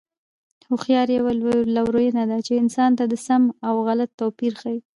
هوښیاري یوه لورینه ده چې انسان ته د سم او غلط توپیر ښيي.